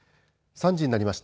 ３時になりました。